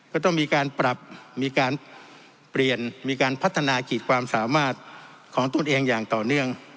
ก็ต้องมีการปรับมีการเปลี่ยนมีการพัฒนาขีดความสามารถของตนเองอย่างต่อเนื่อง